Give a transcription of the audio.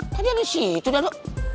tadi ada situ dado